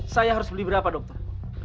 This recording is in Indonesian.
saya harus beli berapa dokter